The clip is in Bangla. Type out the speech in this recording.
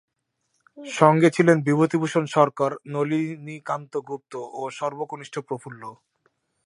সংগে ছিলেন বিভূতিভূষণ সরকার, নলিনীকান্ত গুপ্ত ও সর্বকনিষ্ঠ প্রফুল্ল।